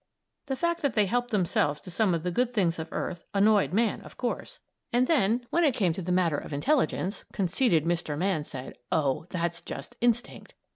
The fact that they helped themselves to some of the good things of earth annoyed Man, of course, and then, when it came to the matter of intelligence, conceited Mr. Man said: "Oh, that's just instinct."